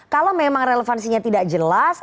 kalau memang relevansinya tidak jelas